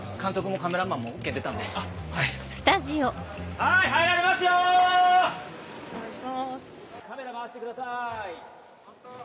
カメラ回してください。